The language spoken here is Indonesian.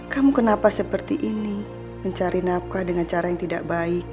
kamu kenapa seperti ini mencari nafkah dengan cara yang tidak baik